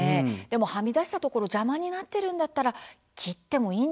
でもはみ出したところ邪魔になってるんだったら切ってもいいんじゃないでしょうか？